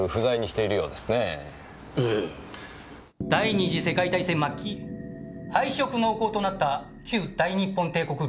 第二次世界大戦末期敗色濃厚となった旧大日本帝国陸軍。